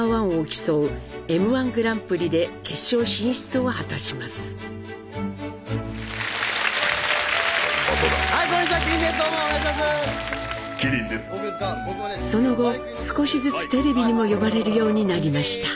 その後少しずつテレビにも呼ばれるようになりました。